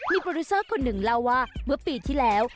มีโปรดิวเซอร์คนหนึ่งเล่าว่าเมื่อปีที่แล้ว